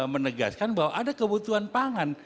menegaskan bahwa ada kebutuhan pangan